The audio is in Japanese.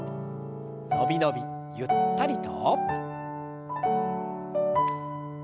伸び伸びゆったりと。